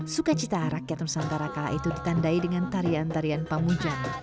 sukacita rakyat nusantara kala itu ditandai dengan tarian tarian pamujan